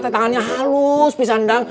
bu yola tangannya halus pisang dang